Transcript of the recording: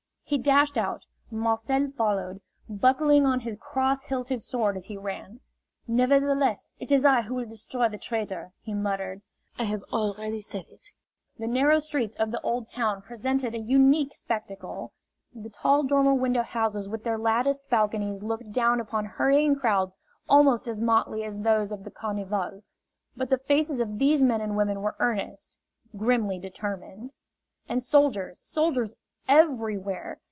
He dashed out. Marcel followed, buckling on his cross hilted sword as he ran. "Nevertheless it is I who will destroy the traitor!" he muttered. "I have already said it." The narrow streets of the old town presented a unique spectacle. The tall dormer window houses with their latticed balconies looked down upon hurrying crowds almost as motley as those of the carnival. But the faces of these men and women were earnest, grimly determined. And soldiers, soldiers everywhere!